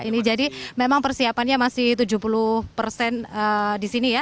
ini jadi memang persiapannya masih tujuh puluh persen di sini ya